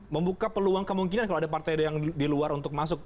membuka peluang kemungkinan kalau ada partai yang di luar untuk masuk